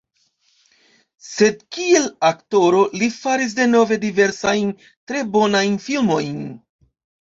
Sed kiel aktoro li faris denove diversajn tre bonajn filmojn.